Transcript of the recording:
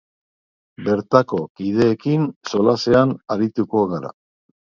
Bertako kideekin solasean arituko gara.